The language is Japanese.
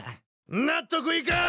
納得いかん！